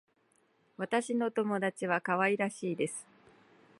私の友達は可愛らしいです。